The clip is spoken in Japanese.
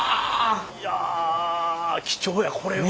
いや貴重やこれは。